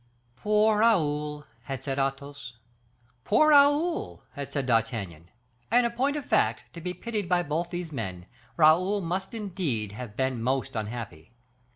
"Poor Raoul!" had said Athos. "Poor Raoul!" had said D'Artagnan: and, in point of fact, to be pitied by both these men, Raoul must indeed have been most unhappy.